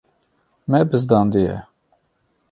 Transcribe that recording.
Me bizdandiye.